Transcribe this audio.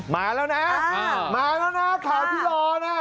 มาแล้วนะค่าพิรรณ